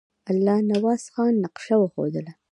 الله نواز خان نقشه وښودله.